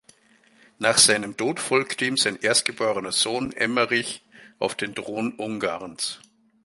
Nach seinem Tod folgte ihm sein erstgeborener Sohn Emmerich auf den Thron Ungarns.